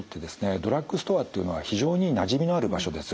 ドラッグストアっていうのは非常になじみのある場所です。